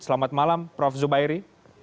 selamat malam prof zubairi